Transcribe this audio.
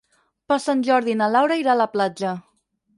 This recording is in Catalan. Per Sant Jordi na Laura irà a la platja.